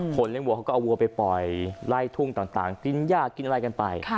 เลี้ยวัวเขาก็เอาวัวไปปล่อยไล่ทุ่งต่างกินยากกินอะไรกันไป